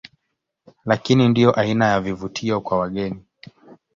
Lakini ndiyo aina ya vivutio kwa wageni